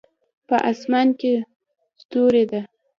په اسمان کې ستوری ده